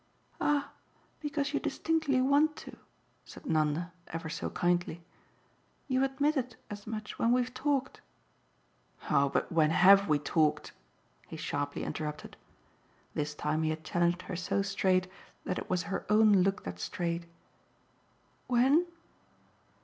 "Ah because you distinctly want to," said Nanda ever so kindly. "You've admitted as much when we've talked " "Oh but when HAVE we talked?" he sharply interrupted. This time he had challenged her so straight that it was her own look that strayed. "When?"